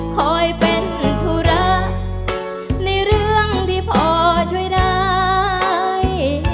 คอยเป็นธุระในเรื่องที่พอช่วยได้